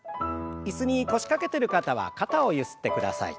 椅子に腰掛けてる方は肩をゆすってください。